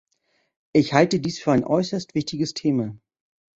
Ich halte dies für ein äußerst wichtiges Thema.